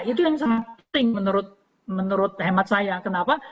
itu yang penting menurut hemat saya kenapa